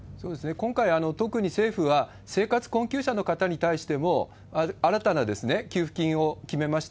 今回、特に政府は生活困窮者の方に対しても、新たな給付金を決めました。